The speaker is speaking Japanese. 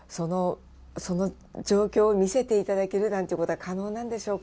その状況を見せていただけるなんてことは可能なんでしょうか？